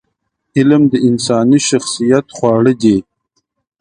علم د انساني شخصیت خواړه دي.